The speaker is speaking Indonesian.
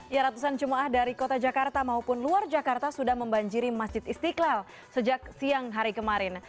ya ratusan jemaah dari kota jakarta maupun luar jakarta sudah membanjiri masjid istiqlal sejak siang hari kemarin